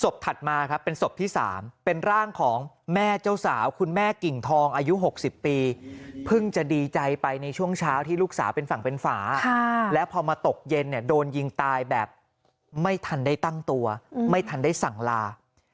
และพอมาตกเย็นโดนยิงตายแบบไม่ทันได้ตั้งตัวไม่ทันได้สั่งลา